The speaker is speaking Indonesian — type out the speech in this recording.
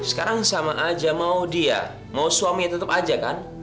sekarang sama aja mau dia mau suami tetap aja kan